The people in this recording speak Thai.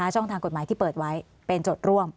ช่องทางกฎหมายที่เปิดไว้เป็นโจทย์ร่วม